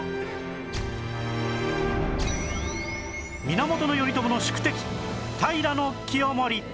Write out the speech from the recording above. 源頼朝の宿敵平清盛